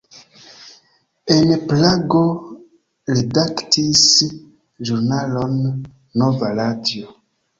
En Prago redaktis ĵurnalon "Nova radio".